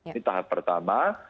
ini tahap pertama